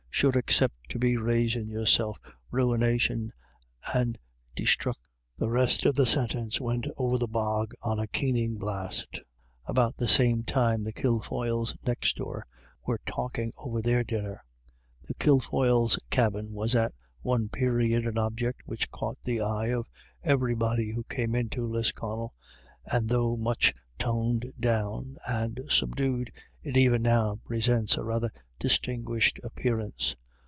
Sure, except to be raisin' yourself ruination and de sthruc —" The rest of the sentence went over the bog on a keening blast. About the same time, the Kilfoyles next door were talking over their dinner. The Kilfoyles* A WET DAY. 91 cabin was at one period an object which caught the eye of everybody who came into Lisconnel, and though much toned down and subdued, it even now presents a rather distinguished appearance.